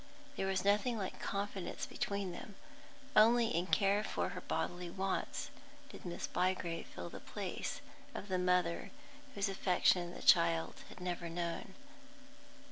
There was nothing like confidence between them; only in care for her bodily wants did Miss Bygrave fill the place of the mother whose affection the child had never known.